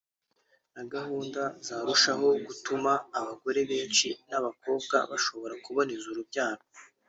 na gahunda zarushaho gutuma abagore benshi n’ abakobwa bashobora kuboneza urubyaro